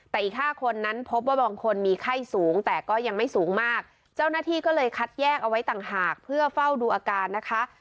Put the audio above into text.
แต่อีกห้าคนนั้นพบว่าบางคนมีไข้สูงแต่ก็ยังไม่สูงมากเจ้าหน้าที่ก็เลยคัดแยกเอาไว้ต่างหากเพื่อเฝ้าดูอาการนะคะ